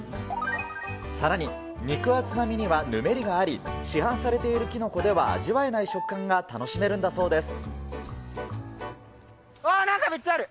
さらに肉厚な身にはぬめりがあり、市販されているキノコでは味わえない食感が楽しめるんだそあっ、なんかめっちゃある。